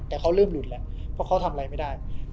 แต่เขาเริ่มหลุดแล้วเพราะเขาทำอะไรไม่ได้